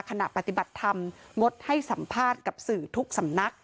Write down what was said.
ขณะปฏิบัติธรรมงดให้สัมภาษณ์กับสื่อทุกสำนัก